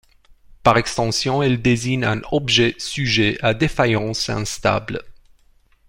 Par extension, elle désigne un objet sujet à défaillance, instable.